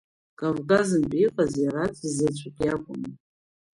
Кавказынтәи иҟаз иараӡәзаҵәык иакәын.